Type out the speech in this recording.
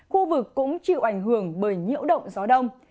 khu vực cũng chịu ảnh hưởng bởi nhiễu động gió đông